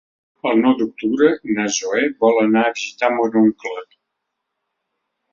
El nou d'octubre na Zoè vol anar a visitar mon oncle.